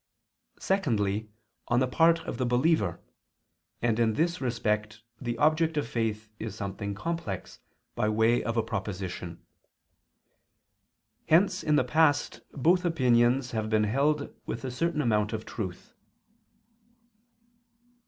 Secondly, on the part of the believer, and in this respect the object of faith is something complex by way of a proposition. Hence in the past both opinions have been held with a certain amount of truth.